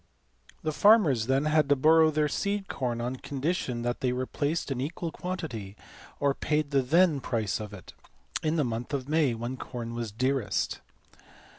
The farmers then had to borrow their seed corn on condition that they replaced an equal quantity, or paid the then price of it, in the month of May, when corn was dearest.